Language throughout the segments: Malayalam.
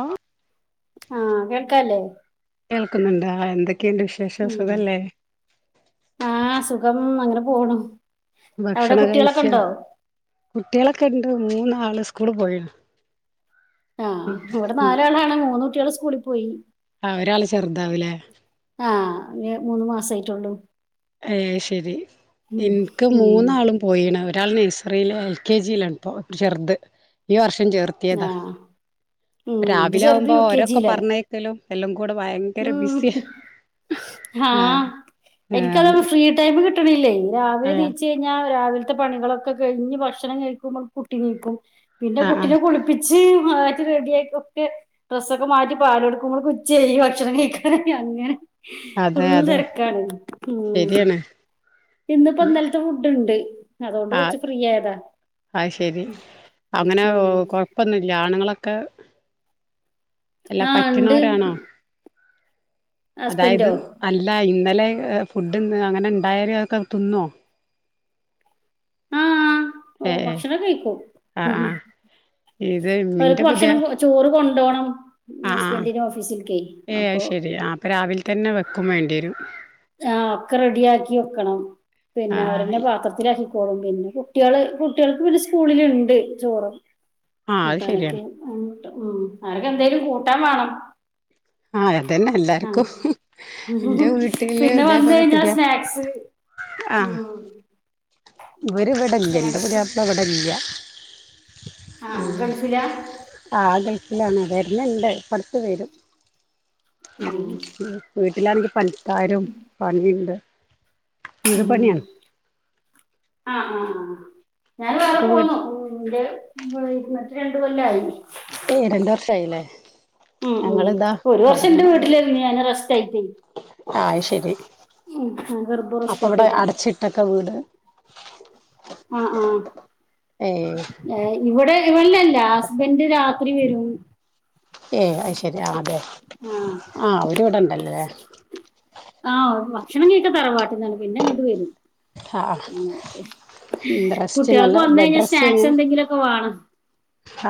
ഓഹ് ആഹ് കേൾക്കാല്ലേ കേൾക്കുന്നുണ്ട് ആഹ് എന്തൊക്കെയുണ്ട് വിശ് ഉം ആഹ് സുഖം അങ്ങനെ പോണു അവടെ കുട്ടികളൊക്കെ ഉണ്ടോ കുട്ടികളക്കെ ഇണ്ട് മൂന്നാള് സ്കൂള് പോയി ആഹ് ഇവടെ നാലാളാണ് മൂന്നൂട്ടികൾ സ്കൂളിൽ പോയി അഹ് ഒരാള് ചെറ്താവൂലേ ആഹ് ഞ് മൂന്ന് മാസായിട്ട്ള്ളൂ ഏയ് ശരി ഇൻക്ക് ഉം മൂന്നാളും പോയീണ് ഒരാൾ നഴ്സറിയിൽ എൽ കെ ജിയിലാണ് ഇപ്പൊ ചെറ്ത് ഈ വർഷം ചേർ ത്യതാ ആഹ് ഉം എന്റെ രാവിലെ ചെറുത് ആവുമ്പോ യു കെ ഓരോക്കെ ജിയിലാ പറഞ്ഞയ് ക്കലും എല്ലാം കൂടെ ഭയങ്കര ഉം ബിസി ആഹ് എനിക്കൊള്ള ഫ്രീ ടൈം കിട്ടിണില്ലേ രാവിലെ ആ നീച് ഞാരാവിലത്തെ പണികളൊക്കെ കയിഞ്ഞ് ഭക്ഷണം കഴിക്കുമ്പ കുട്ടി നീക്കും പിന്നെ ആ കുട്ടിനെ കുളിപ്പി ച്ച് മാറ്റി റെഡി ആയിക്കൊക്കെ ഡ്രസ്സൊക്കെ മാറ്റി പാലെട്ക്കുമ്പോക് ഉച്ചയായി ഭക്ഷണം കഴിക്കാറ അങ്ങനെ അതെ ഫുള്ള് അതെ തിരക്കാണ് ഉം ശരിയാണ് ഇന്ന്പ്പന്നെൽത്തെ ഫുഡ്ണ്ട് ആഹ് ആഹ് ശരി അങ്ങനെ ഉം കൊയ് പ്പംന്നുല്ല ആണുങ്ങളൊക്ക എല്ലാം ആഹ് ഉണ്ട് പറ്റ്ണോരാണ അതായത് ഹസ്ബൻഡോ അല്ല ഇന്നലെ ഫുഡ്ന്ന് അങ്ങനെ ഇണ്ടായാല് അഒക്കെ തിന്നോ ആഹ് ഏ ഓ ഏ ഭക്ഷണംക്കെ കയിക്കും ആ ആ ഇത് മിന്റെ അവര്ക്ക് പുതിയ ഭക്ഷണം കൊ ചോറ് കൊണ്ടോണം ആ ആ ഹസ്ബന്റിന് ഓഫീസ്ക്കെ അപ്പോ രാവിൽതന്നെ വെക്കും വേണ്ടി വരും ആഹ് ഒക്ക റെഡിയാക്കി വെക്കണം ആ പിന്നെ അവരന്നെ പാത്ര ത്തിലാക്കിക്കോളും പിന്നെ കുട്ടികള് കുട്ടികൾക്ക് പിന്നെ സ്കൂളില്ണ്ട് ചോറ് ആ അത് കൂട്ടാനൊക്കട്ട് ശരിയാണ് ആരക്കെന്തെലും കൂട്ടാൻ വേണം ആയതെന്നെ ആ. എല്ലാർക്കും എന്റെ വീട്ടി ഇല് പിന്നെ ഇതേ വന്നു പോലെ കഴിഞ്ഞാൽ പുതിയ സ്നാക്സ് ആഹ് ഇവര് ഇവിടല്ല്യ ഇന്റെ സ്നാക്സ് പുതിയാപ്പള ഇവിടെ ഇല്ല ആ ഗൾഫിലാ ആഗസ്റ്റിലാണ് വരുന്നുണ്ട് പട്ത്ത് വരും ഉം. വീട്ടിലാണങ്കിപൺക്കാരും പണിണ്ട് ഉം ആഹ് ആഹ് ആഹ് അ [unintelligible] ന്റെ [unintelligible] രണ്ട്കൊല്ലയി ന്റെ രണ്ട് വർഷയില്ലേ ഉം ഉം ഒരു വർഷം എന്റെ വീട്ടിലായിരുന്ന് ഞാൻ റെസ്റ്റ് ആയിട്ടേ ആഹ് അയ്ശരി ഉം ഗർഭ അപ്പ റെസ്റ്റ് ഇവിട ഒക്കെ ആയിരുന്നു അടച്ചിട്ടക്കവീട് ആഹ് ഏയ് ആഹ് ഇവിടെ [unintelligible] ഹസ്ബൻഡ് രാ രാത്രി വരും ഏയ് അത് ശരി ആഹ് അതെ ആ ആഹ് അവര് ഇവിട ണ്ടല്ലേ ആഹ് ഭക്ഷണം കയ്ക്ക തറവാട്ട്ന്നാണ് പിന്ന ങ്ങോട്ട് വരും ആഹ് ഉം റെസ്റ്റ് കുട്ടികൾക്ക നല്ല വന്ന ബെഡ് കയിഞ്ഞാൽ റെസ്റ്റ് കഴിഞ്ഞ് സ്നാക്സ് എന്തങ്കില്ക്കെ വേണം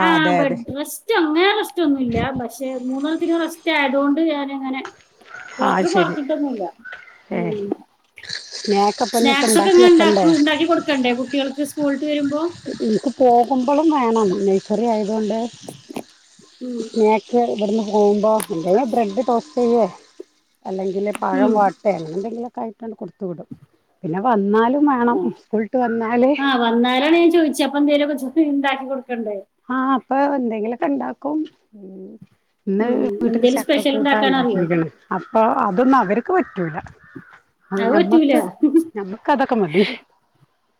ആഹ് ആ അതെ അതെ ബെഡ് ഡ്രസ്റ്റ് അങ്ങനെ റെസ്റ്റ് ഒന്നുംല്ല പക്ഷെ മൂന്നണ്ണത്തിനും റസ്റ്റ് ആയതൊണ്ട് ഞാനിങ്ങനെ ആഹ് ഡോക്ടർ ശരി പറത്തിട്ടൊന്നുംല്ല ഉം സ്നാക്ക്സ് സ്നാക്സ് ക്കെ ങ്ങന ണ്ടാക്കുംണ്ടാക്കി കൊടക്കണ്ടേ കുട്ടികൾക്ക് സ്കൂള് ട്ട്‌ ര്മ്പോൾ ഇൻക്ക് പോകുമ്പോളും വേണം നയ്സറി ആയത് കൊണ്ട് ഉം നാക്സ് ഇവിടന്ന പോവുമ്പോ അല്ലെല് ബ്രെഡ് ടോസ്റ്റ് ചെയ്യ അല്ലെങ്കില് പഴം ഉം വാട്ടേങ്ങനന്തെങ്കല്ക്കെ ആയിട്ട്ണ്ട് കൊടുത്തു വിടും പിന്നെ വന്നാലും വെണം ആ സ്കൂളട്ട് വന്നാല് ആ വന്നാലാണ് ഞാൻ ചോയച്ചഅപ്പ എന്തേലുക്കെ ചുട്ട്ണ്ടാക്കി കൊടക്കണ്ടേ ആഹ അപ്പ എന്തെങ്കിലുക്കെ ഇണ്ടാക്കും ന്ന് ഉം വീട്ടില് എന്തേലും സ്പെഷ്യൽ ഉണ്ടാക്കാൻ അറിയോ ചക്കക്കൂട്ടണ്ടാക്കിയിരിക്കണ് അപ്പ അതൊന്നും അവരക്ക് പറ്റൂല അത് അയ് പറ്റൂല ഞമ്മക്ക് ഞമ്മക്ക് അതൊക്കെ മതി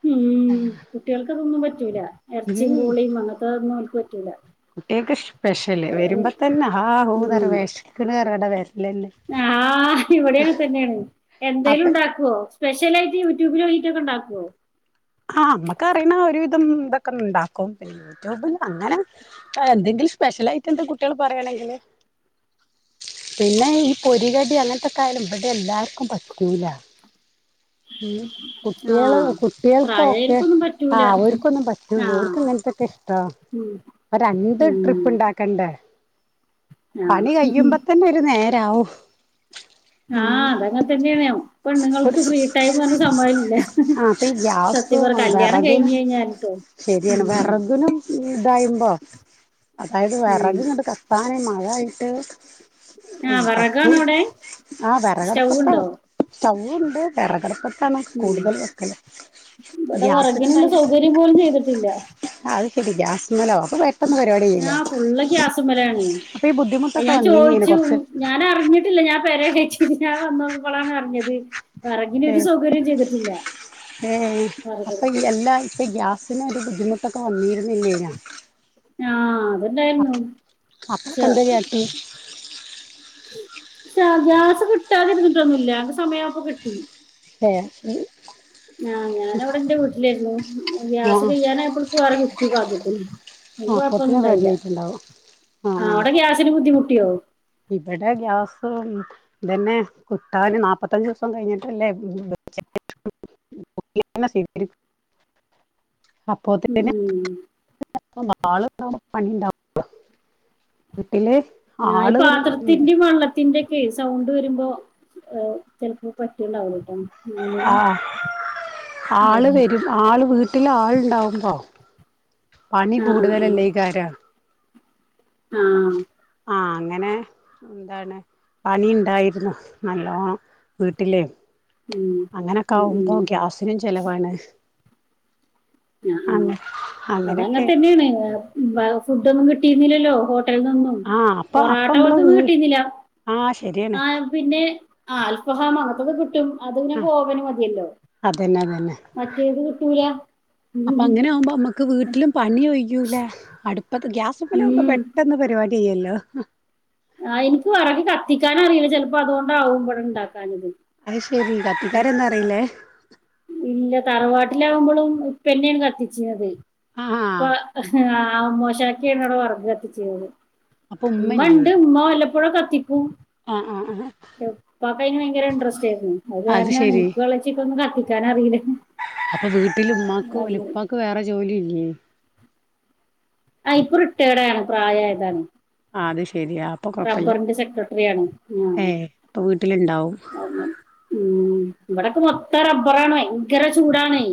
ഉം കുട്ടികൾക്കതൊന്നും പറ്റൂല്ല ഇറച്ചിയും പൂളിയും അങ്ങനത്തെ ഒന്നും അവക്ക് പറ്റൂല്ല കുട്ടികക്ക് സ്പെഷ്യല് വരുമ്പോ തന്നെ ഹാ ഹൂ വേഷിക്കണ്ന്ന റിഞ്ഞിട്ട വരലന്നെ ആഹ ഇവിടെ അങ്ങെ തന്നെയാണ് അപ്പ എന്തെലുംണ്ടാക്കുവോ സ്പെഷല ആയിട്ട് യൂട്യൂബ് നോക്കീട്ട് ഒക്കെണ്ടാക്കുമോ ആഹ നമ്മുക്കറിയ്ണ ഒരുവിധം ഇതൊക്കെ ഉണ്ടാക്കും പിന്നെ യൂട്യൂബില് അങ്ങനെ എന്തെങ്കിലും സ്പെഷ്യൽ ആയിട്ട് എന്താ കുട്ടികൾ പറയണെങ്കില് പിന്നെ ഈ പൊരി കടി അങ്ങനത്തെക്കായാലും ഇവടെ എല്ലാർക്കും പറ്റൂല ഉം ആ കുട്ടികള് കുട്ടികൾക്കൊക്കെ പ്രായമായിരിക്കൊന്നും പറ്റൂല ആഹ് ഒർക്കൊന്നും പറ്റൂല ആ ഒർക്കും ഇങ്ങനത്തൊക്കെ ഇഷ്ടോ ഉം അപ്പം രണ്ട് ഉം, ട്രിപ്പ് ഉണ്ടാക്കണ്ടെ ആ പണി കഴിയുമ്പോ തന്നെ ഒരു നേ രാവും ആഹ് അതങ്ങെ തന്നെയണ ഒരു പെണ്ണുങ്ങൾക്ക് ഫ്രീ ടൈം പറഞ്ഞ സംഭവില്ല ആഹ് അപ്പൊ ഈ സത്യം ഗ്യാസും പറഞ്ഞാൽ കല്യാണം വെറകിന് കഴിഞ്ഞ് ഴിഞ്ഞാ ട്ടോ ശരിയാണ് വേർകിനും ഇതായുമ്പോ അതായത് ഉം വിറകങ്ങണ്ട് കത്താന് മഴായിട്ട് ആ ഉം വിറകാണോ കത്തും അവിടെ ആഹ് വിറകടുപ്പത്ത സ്റ്റൗവുണ്ടോ സ്റ്റവ്വ് ണ്ട് വിറകടപ്പ ഉം കൂടുതൽ വെക്കൽ ഇവിടെ ഗ്യാസന് വിറകിനുള്ള തല സൗകര്യം പോലും ചെയ്തിട്ടില്ല അത് ശെരി ഗ്യാസ്മലോ ഒക്കെ വ ആഹ് ഫുള്ള് ഗ്യാസുമലണ് അപ്പൊ ഈ ആഹ് ബുദ്ധിമുട്ടൊക്കെ ഞാൻ വന്നീനേന് ചോയിച്ചു കൊറച്ച് ഞാൻ അറിഞ്ഞിട്ടില്ല ഞാൻ പേര കേറ്റിട്ട് ഞാൻ വന്നപ്പോളാണ് അറിഞ്ഞത് വിറകിന് ഒരു ഏയ് സൗകര്യം ചെയ്തിട്ടില്ല ഏയ് അപ്പൊ വിറകടുപ്പ് എല്ലാ ഇപ്പൊ ഗ്യാസ് നൊരു ബുദ്ധിമുട്ട് ഒക്കെ വന്നിരുന്ന് ഇല്ലേയ്നോ ആഹ അത്ണ്ടായിരുന്നു. അപ്പൊക്കെ ച്ച എന്താ കാട്ടി ക്ഷ ഗ്യാസ് കിട്ടാതിരുന്നിട്ടൊന്നുംല്ല സമയായപ്പൊ കിട്ടി. പ്പെയ ഉം ആഹ ഞാനവിടെ എന്റെ വീട്ടിലായിരുന്നു ആ ഗ്യാസ് കെയ്യാനായപ്പോക്ക് വേറെ കിട്ടി ഭാഗ്യത്തിന് അയ്ല് കൊഴപ്പൊന്നും അപ്പത്തിന് റെഡി ഇണ്ടായില്ല ആയിട്ടുണ്ടാവും ആടെ ഗ്യാസിന് ബുദ്ധിമുട്ടിയോ ഇബടെ ഗ്യാസ് ഇതന്നെ കിട്ടാന് നാപത്തഞ്ച് ദിവസം കഴിഞ്ഞിട്ടല്ലേ [unintelligible] ഉം അപ്പോത്തിന് ഉം ആള്ണ്ടാവുമ്പോ പണിണ്ടാവും വീട്ടില് ഞാഈ ആള് പാത്രത്തിന്റിം വെള്ളത്തിന്റെ ക്കേ സൗണ്ട് വരുമ്പോ ചെലപ്പോ പറ്റ്ണ്ടാവുലട്ടോ ആഹ ആഹ് ആള് വരും ആള് വീട്ടില് ആളുണ്ടാവുമ്പോ പണി ആഹ് ആഹ് കൂടുതലല്ലേകാരം ആഹ് ആഹ അങ്ങനെ എന്താണ് പണിണ്ടായിരുന്നു നല്ലോണം വീട്ടിലേ ഉം അങ്ങനൊക്കെ ഉം ഉം ആവുമ്പോ ഗ്യാസിനും ചെലവാണ് ആഹ ആഹ അങ്ങ അത അങ്ങനൊക്കെ അങ്ങനത്തന്നെയാണ് മുമ്പ ഫുഡ് ഒന്നും കിട്ടിയിരുന്നില്ലല്ലോ ഹോട്ടലീനിന്നും ആഹ് അപ്പൊ അപ്പ പൊറാട്ട നമ്മള് വീ പോലത്തൊന്നും കിട്ടീന്നില്ല ആഹ് ശരിയാണ് ആഹ പിന്നെ ആൽഫഹാം അങ്ങത്തൊക്കെ കിട്ടും അത് പിന്നെ ആ കോവന് മതിയല്ലോ അതന്നെ അതന്നെ മറ്റേത് കിട്ടൂല അപ്പൊ അങ്ങനെ ആവുമ്പോ മ്മക്ക് വീട്ടിലും പണി ഒഴ്യൂല്ല അടുപ്പത് ഗ്യാസ് പ്പ്ലാവുമ്പൊ ഉം പെട്ടെന്ന് പരിപാടിയ്യുല്ലോ ആഹ ഇൻക്ക് വറക്ക് കത്തിക്കാനറീല ചെലപ്പോ അതുകൊണ്ടാവും ബടെ ഇണ്ടാക്കാഞത്. അഹ് ശെരി കത്തിക്കാരന്നും അറിയില്ലേ ഇല്ല തറവാട്ടിലാകുമ്പോളും ഉപ്പന്നെണ് കത്തിച്ചിന്നത് ആഹ് പ്പ ആഹ അമ്മോശക്കെണ് അവ്ടെ വർകതീച്ചീർന്നത് അപ്പൊ ഉമ്മല്ലേ ഇമ്മണ്ട് ഇമ്മ വല്ലപ്പോഴോ കത്തിക്കും. ആഹ് ആഹ് ആഹ് പ്പക്കയിന് ഭയങ്കര ഇൻട്രസ്റ്റേന്നു അത് കാരണ നിക്കും എളെച്ചിക്കൊന്നും കത്തി ക്കാനറീലാ. അപ്പ വീട്ടില് ഉമ്മാക്ക് ല്ല ഇപ്പാക്ക് വേറെ ജോലി ഇല്ലേ. ആഹ് ഇപ്പ റിട്ടേടാണ് പ്രായായതാണ്. ആത് ശെരിയാ അപ്പൊ കൊഴപ്പല്ല റബ്ബറിന്റെ സെക്രട്ടറിയാണ് ഉം ഏ അപ്പൊ വീട്ടിലുണ്ടാവും അയന്നെ. ഉം ഇവടക്കെ മൊത്തം റബ്ബറാണെ ഉഗ്രര ചൂടാണെ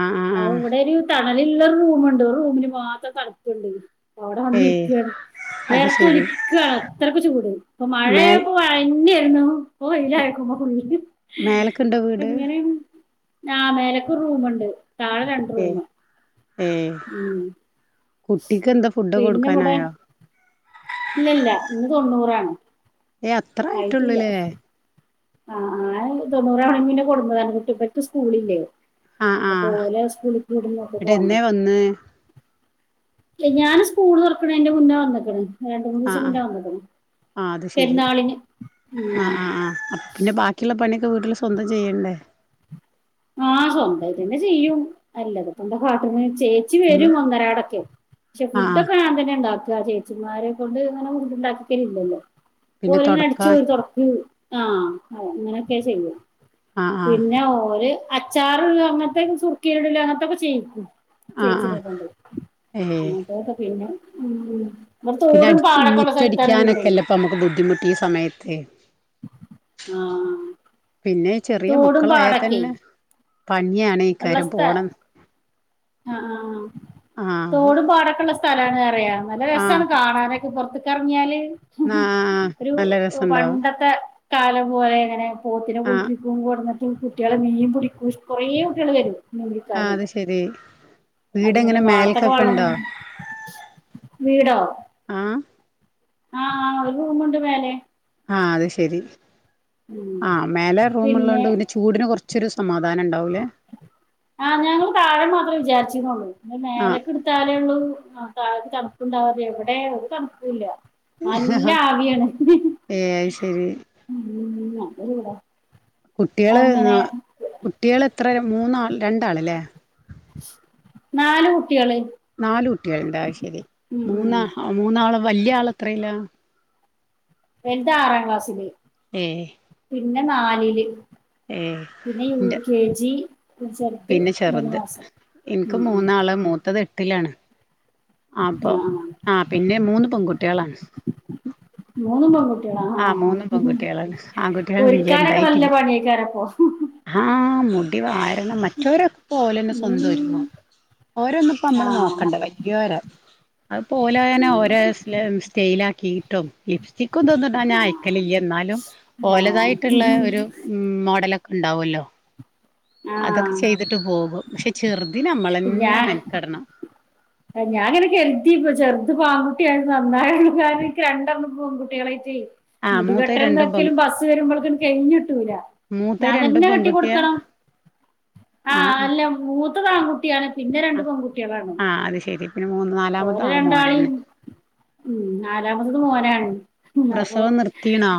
ആ ആ ആ അപ്പൊ ഇവിടെ ഒരു തണല്ള്ളൊരു റൂമുണ്ട് ഒരു റൂമില് മാത്ര തണ്പ്പ്ണ്ട്. ഓടെ ഏ വന്നിരിക്കാണ് അത് വേർത്തൊലി ശരി ക്കാ അത്രക്ക് ചൂട് ഇപ്പൊ മേൽ മഴയായപ്പോ മഴന്നേര്ന്നു ഇപ്പൊ വെയിലായോക്കുമ്പൊ ഫുള്ള് മേലക്കുണ്ടോ വീട് പ്പങ്ങനേണ് ആഹ മേലക്കൊരു റൂമുണ്ട് താഴെ രണ്ട് ഏ റൂമ് ഏ ഉം കുട്ടിക്ക് എന്താ ഫുഡ് പിന്നെ ഇവടെ കൊടുക്കാനായോ ല്ല ല്ല ഇന്ന് തൊണ്ണൂറാണ്. ഏഹ അത്രായിട്ടൊള്ളൂലേ. ആഹ, ആഹ തൊണ്ണൂറാവണേമുന്നെ കൊടുന്നതാണ് കുട്ടി ബൽക്ക് സ്കൂളില്ലേ. ആ ആ അപ്പൊ ഓലെ സ്കൂളീക്ക് ഇവ്ട്ന്നൊക്കെ പോണ്ടേ. ഇന്ന് ഞാന് സ്കൂൾ തൊറക്ക്ണേന്റെ മുന്നേ വന്ന്ക്ക്ണ്. രണ്ട് ആ മൂന്നീസം ആ മുന്നെ വന്ന്ക്ക്ണ് ആ അത് ശരി പെര്ന്നാളിന് ആ ആ ഉം. ആ അപ്പ പിന്നെ ബാക്കിയുള്ള പണിയൊക്കെ വീട്ടില് സ്വന്തം ചെയ്യേണ്ടേ? ആഹ് സ്വന്തം തെന്നെ ചെയ്യും അല്ലതെപ്പോ എന്താ കാട്ട്ണേ ചേ ച്ചി പിന്നെ വരും ഒന്നരാടൊക്കെ പക്ഷെ ആ ആ ഫുഡൊക്കെ ഞാൻ തന്നെ ഇണ്ടാക്കാ ചേ ച്ചിമാരെ കൊണ്ട് ങ്ങനെ ഫുഡ്ണ്ടാക്കിപ്പിക്കലില്ലല്ലോ പിന്നെ ഓല് ങ്ങനെ തുടക്കാൻ അടിച്ചോരി തൊട ക്കും ആഹ് അങ്ങനൊക്കെ ചെയ്യും ആ ആ പിന്നെ ഓര്. അച്ചാറ്ള്ളെ അങ്ങനെത്തെ സുർക്കീലിടല് അങ്ങൻത്തൊക്കെ ചെയ്യിക്കും. ആ ആ ചേച്ചിനെ കൊണ്ട് ഏ അങ്ങൻത്തൊക്കെ പിന്നെ ഉം. ഇവിടെ പിന്നെ തോടും അടിച്ച് പാടൊക്കെ ഉള്ള സ്ഥലത്താണ് വീടെ മുറ്റടിക്കാനൊക്കെ അല്ലേ ഇപ്പം നമക്ക് ബുദ്ധിമുട്ട് ഈ സമയത്ത്. ആഹ്. പിന്നെ ചെറിയ തോടും മക്കളായാ പാടൊക്കെ തന്നെ. ഉള്ള പണ്ണ്യാണേക്കാരം സ്ഥ പോണന്ന് ആഹ് ഹാ. പാടക്കൊള്ള സ്ഥലാണ് അറിയാ നല്ല രസ്സാണ് കാണാനൊക്കെ പൊർത്ത് ക്കെറങ്ങിയാല്. ന്നാ ഒരു നല്ല രസണ്ടാവും പണ്ടത്തെ. കാലം പോലെ അങ്ങനെ പോത്തിനെ ആഹ് കുളിപ്പിക്കും കൊട്ന്ന്. കുട്ട്യാള് മീൻ പുടിക്കൂം ഇഷ് കൊറേ കുട്ട്യാള് വരും. മീൻ ആഹ് പിടിക്കാന് അത് ശെരി. അങ്ങനെ വീടെങ്ങനെ പാടത്തൊക്കെ വെള്ളം മേല്ക്കൊക്കെണ്ടോ? നിന്നു വീടോ ആഹ്. ആഹ് ഒര് റൂമുണ്ട് മേലെ. ആഹ് അത് ശെരി ഉം ആഹ് മേലെ റൂമുള്ളോണ്ട് പിന്നെ ചൂടിന് കൊറച്ചൊരു സമാധാനണ്ടാവുല്ലേ? ആഹ് ഞങ്ങള് താഴെ മാത്രേ വിചാരിച്ചീന്നൊള്ളു അത് ആഹ് മേലെക്കിട് ട്ത്താലൊള്ളൂ ആഹ് താഴത്ത് തണ്പ്പ്ണ്ടാവാ എവിടേ ഒരു തണ്പ്പൂല്ല. നല്ല ആവിയാണ് ഏഹ് അത് ശെരി ഉം നല്ലചൂടാ കുട്ട്യേള്, ന കുട്ട്യേളെത്ര മൂന്നാൾ രണ്ടാള്ല്ലേ. നാല്കുട്ട്യാള്. നാല് കുട്ട്യാള്ണ്ട് അഹ് ശെരി ഉം മൂന്നാ മൂന്നാള് വല്ല്യാള് എത്രേലാ? വെൽത് ആറാം ക്ലാസ്സില് ഏഹ് പിന്നെ നാലില്. ഏഹ് പിന്നെ യൂ ഇന്റെ കെ ജി. ചെറുത് പിന്നെ മൂന്ന് ചെറുത് മാസം ഇൻക്ക് ഉം ഉം മൂന്നാള് മൂത്തത് എട്ടിലാണ്. ആ അപ്പം ആ ആഹ് പിന്നെ മൂന്ന് പെങ്കുട്ട്യാളാണ്. മൂന്നും പെങ്കു ങ്കുട്ട്യാള ആ ആഹ് മൂന്ന് ആഹ് പെൺകുട്ടികളാണ് ആൺകുട്ടികൾ ഒരുക്കാനൊക്കെ നല്ല പണിയേക്കാരപ്പം ആഹ് മുടി വാരണം മറ്റൊരൊക്കെ ഓലെന്നെ ഉം സ്വന്തൊരുങ്ങും. ഓരോന്നുപ്പോ ആ അമ്മള് നോക്കണ്ട വല്യോരൊ അത്പോലെ അന്നെ ഉം ഓരോ സ്റ്റൈൽ സ്റ്റൈലാക്കി ക്കീട്ടും ലിപ്സ്റ്റിക്കും ഇതൊന്നും ഇടാൻ ഞാൻ അയക്കലില്ല. ഇന്നാലും ആ ഓലതായിട്ട്ള്ള ഒരു ഉം മോഡലൊക്കെ ഇണ്ടാവൊല്ലോ ആ അതൊക്കെ ചെയ്തിട്ട് പോകും. പക്ഷെ ചെറ്തിനമ്മളെന്നെ മെൻക്കെടണം. ഏഹ് ഞാങ്ങിനെ കെരുതി ഇപ്പം ചെറുത് പ്പൊ ആൺകുട്ടിയായ നന്നായി കാരണം ഇൻക് രണ്ടെണ്ണം പെൺകുട്ടികളായിട്ടേ ആ മുടി മൂത്തത് കെട്ടലും രണ്ടും പെൺ തെരക്കിലും ബസ്സ് വരുമ്പോളത്തിനും കഴിഞ്ഞിട്ടൂല. മൂത്തത് രണ്ടും ഞാൻതന്നെ കെട്ടി പെൺകുട്ടിയാ കൊടുക്കണം ആ ആഹ് അല്ല മൂത്തതാൺകുട്ടിയാണ്. ആഹ് ആഹ് അത് ശെരി പിന്നെ മൂന്ന് നാലാമത്ത ഓലെ ആഹ് മോനല്ലെ? രണ്ടാളെയും ഉം നാലാമത്തത് മോനാണ് അപ്പൊ പ്രസവം നിർത്തീണോ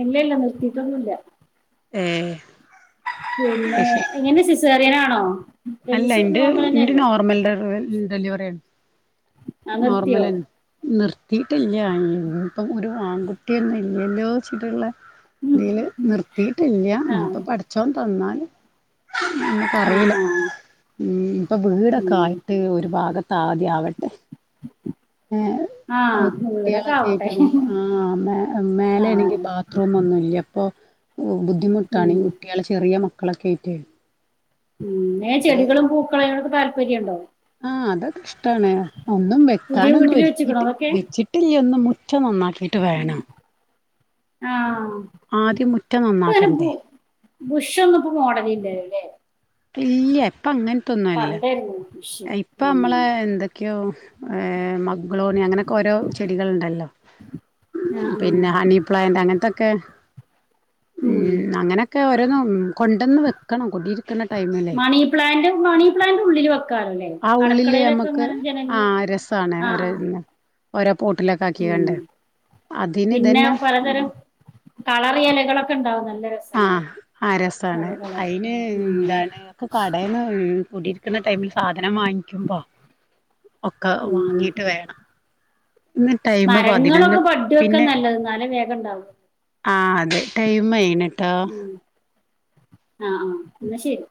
ഇല്ലല്ല നിർത്തിട്ടൊന്നുല്ല ഏഹ് അത് പിന്നെ ശരി എങ്ങനെ സിസേറിയനാണോ അല്ല വലുത് ഇന്റെ ഇന്റെ നോർമലന്നെയല്ലേ നോർമൽ ഡെറി ഡെലിവറി ആണ് ആ നിർത്തിയോ നോർമലന്നേ നിർത്തിട്ടില്ല ഇപ്പം ഒരു ആൺകുട്ടിയൊന്നുല്ലല്ലോച്ചിട്ട്ള്ള ഉം ഇതില് നിർത്തിട്ടില്ല്യ ആഹ് ഇന്നിപ്പോ പഠിച്ചോൻ തന്നാല് ആഹ് നമുക്കറിയില്ല ആഹ് ഉം ഇപ്പൊ വീടൊക്കെ ഉം ആയിട്ട് ഒരു ഭാഗത്താദ്യാവട്ടെ ഏഹ് ഏഹ് ആഹ് വീടൊക്കെ ആവട്ടെ കുട്ടികളൊക്കേയിട്ടൊ ആഹ് മേ മേലേണെങ്കി ആഹ് ബാത്ത് ബത്റൂം ഒന്നുല്ല്യപ്പൊ ഉം ബുദ്ധിമുട്ടാണ് ഈ കുട്ട്യാള് ചെറിയ മക്കളൊക്കെയിട്ടെ ഉം എങ്ങനെ ചെടികളും പൂക്കളും അയിനോടൊക്കെ താല്പര്യം ണ്ടോ ആഹ് അതൊക്കെ ഇഷ്ട്ടാണ് ഒന്നും പുതിയ വെക്കാനൊന്നും വീട്ടില് ഒരുക്കി വെച്ച്ക്കണോ അതൊക്കെ വെച്ചിട്ട് ട്ടില്ല്യൊന്നും മുറ്റം നന്നാക്കിട്ട് വേണം ആഹ് ആദ്യം മുറ്റം നന്നാക്കണ്ടേ ബുഷൊന്നുപ്പോ മോടലില്ലല്ലേ ഇല്ല്യ ഇപ്പങ്ങൻത്തൊന്നല്ല പണ്ടായിരുന്നു ബുഷ് ഉം ഇപ്പമ്മളെ എന്തൊക്കെയോ ഏഹ് മഗ്ളോണി അങ്ങനെ ഓരോ ചെടികള്ണ്ടല്ലോ ആഹ് ആഹ് പിന്നെ ഹണിപ്ലാന്റ് അങ്ങനത്തൊക്കെ ഉം അങ്ങനെയൊക്കെ ഓരോന്നും കൊണ്ടന്ന് വെക്കണം കുടിയിരിക്കണ time money plant money plant ഉള്ളില് വെ ആഹ് ഉള്ളില് ഞമ്മക്ക് ആഹ് രസാണ് ആ ഒര ആ ഓരോ പോട്ടിലൊക്കെ ഉം ആക്കികാണ്ട് അതിനിതന്നെ കളറ് എലകളൊക്കെ ണ്ടാവും നല്ല രസ ആഹ് ആഹ് രസാണ് അയിന് ഉം എന്താണ് ഒക്കെ കടേന്ന് കൂടിരിക്കുന്ന ടൈമിൽ സാധനം വാങ്ങിയ്ക്കുമ്പോ ഒക്കെ ഉം വാങ്ങിട്ട് വേണം ന്ന് ടൈമ് പതിനൊന്ന് മരങ്ങളൊക്കെ ബഡ് വെക്കാൻ പിന്നെ നല്ലത് എന്നാലേ വേഗം ഉണ്ടാവും ആഹ് അതെ ടൈം ആയിണ് ട്ടോ ഉം ആഹ് ആഹ് ന്നാ ശരി